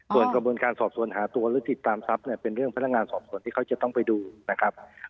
ส่วนกระบวนการสอบสวนหาตัวหรือติดตามทรัพย์เนี่ยเป็นเรื่องพนักงานสอบสวนที่เขาจะต้องไปดูนะครับ